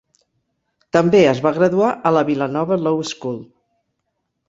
També es va graduar a la Villanova Law School.